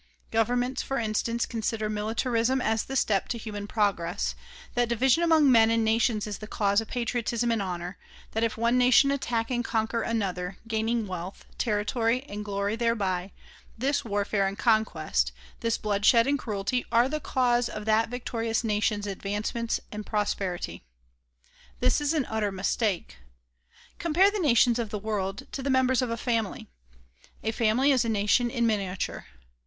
Governments for instance, consider militarism as the step to human progress, that division among men and nations is the cause of patriotism and honor, that if one nation attack and conquer another, gaining wealth, territory and glory thereby, this warfare and conquest, this bloodshed and cruelty are the cause of that victorious nation's advancement and prosperity. This is an utter mistake. Compare the nations of the world to the members of a family. A family is a nation in min iature.